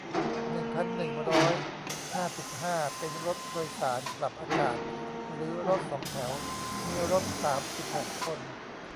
หนึ่งพันหนึ่งร้อยห้าสิบห้า เป็นรถโดยสารปรับอากาศ หรือ รถสองแถว มีรถ สามสิบหก คน